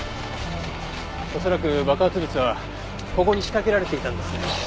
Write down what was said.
恐らく爆発物はここに仕掛けられていたんですね。